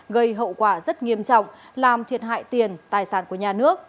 gây hậu quả rất nghiêm trọng làm thiệt hại tiền tài sản của nhà nước